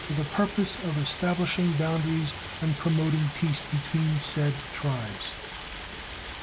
for the purpose of establishing boundaries and promoting peace between said tribes.